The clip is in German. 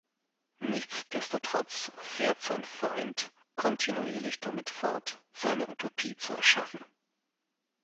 Nichtsdestotrotz fährt sein Feind kontinuierlich damit fort, seine Utopie zu erschaffen.